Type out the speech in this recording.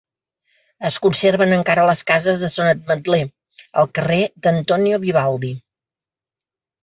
Es conserven encara les cases de Son Ametler, al carrer d'Antonio Vivaldi.